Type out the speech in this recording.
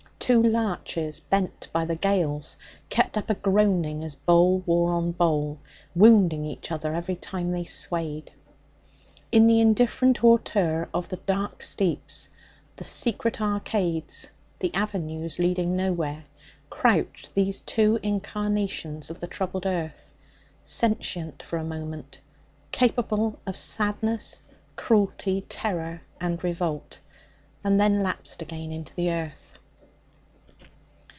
Two larches bent by the gales kept up a groaning as bole wore on bole, wounding each other every time they swayed. In the indifferent hauteur of the dark steeps, the secret arcades, the avenues leading nowhere, crouched these two incarnations of the troubled earth, sentient for a moment, capable of sadness, cruelty, terror and revolt, and then lapsed again into the earth.